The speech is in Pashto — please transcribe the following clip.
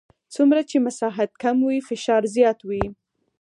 څومره چې مساحت کم وي فشار زیات وي.